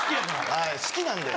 はい好きなんで。